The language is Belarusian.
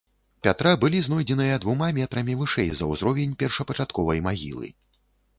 Пятра былі знойдзеныя двума метрамі вышэй за ўзровень першапачатковай магілы.